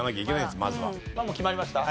決まりました？